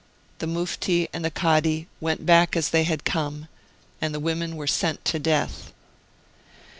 The Mufti and the Kadi went back as they had come, and the women were sent to death.